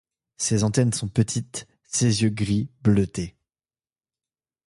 Ses antennes sont petites, ses yeux gris bleuté.